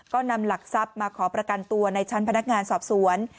ก็นำหลักทรัพย์มาขอประกันตัวในชั้นพนักงานสอบสวน